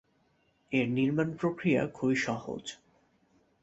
এর নির্মাণপ্রক্রিয়া খুবই সহজ।